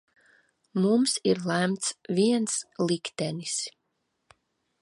Mums ir lemts viens liktenis.